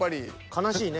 悲しいね。